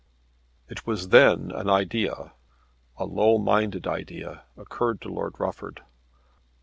It was then that an idea a low minded idea occurred to Lord Rufford.